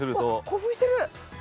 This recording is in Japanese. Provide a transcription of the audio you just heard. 興奮してる！